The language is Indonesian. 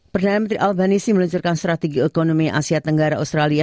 perdana menteri alvanisi meluncurkan strategi ekonomi asia tenggara australia